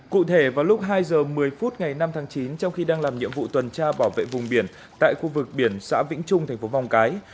cụ thể vào lúc hai giờ một mươi phút ngày năm tháng chín trong khi đang làm nhiệm vụ tuần tra bảo vệ vùng biển tại khu vực biển xã vĩnh trung thành phố vong cái